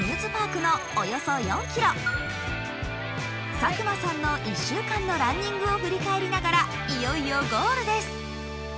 佐久間さんの１週間のランニングを振り返りながらいよいよゴールです。